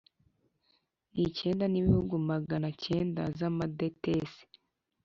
n icyenda n ibihunbi magana cyenda z amadetesi